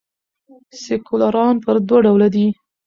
سیکولران پر دوه ډوله دي.